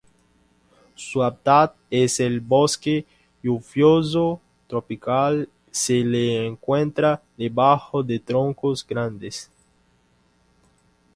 Su hábitat es el bosque lluvioso tropical, se le encuentra debajo de troncos grandes.